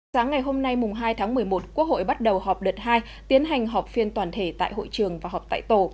sáng ngày hôm nay hai tháng một mươi một quốc hội bắt đầu họp đợt hai tiến hành họp phiên toàn thể tại hội trường và họp tại tổ